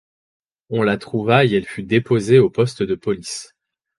On la trouva et elle fut déposée au poste de police.